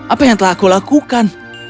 apa yang telah aku lakukan